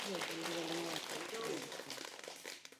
Wek tiyo gi liend ng’ato kiduaro kony